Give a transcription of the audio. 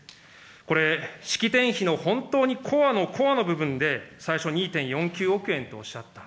これ、式典費の法律のコアのコアの部分で、最初２．４９億円とおっしゃった。